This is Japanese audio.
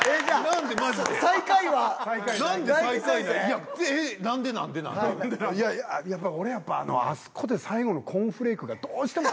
やっぱ俺あそこで最後のコーンフレークがどうしても。